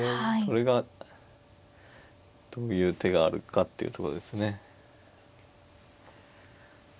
それがどういう手があるかっていうとこですね。